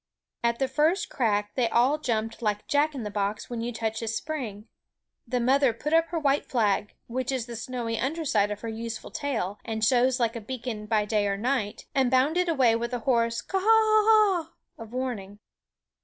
At the first crack they all jumped like Jack in a box when you touch his spring. The mother put up her white flag which is the snowy underside of her useful tail, and shows like a beacon by day or night and bounded away with a hoarse Ka a a a h! of warning.